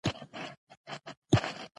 ـ سل دی ونره خو د سلو سر دی مه مره.